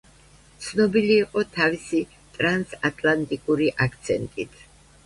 ცნობილი იყო თავისი ტრანსატლანტიკური აქცენტით.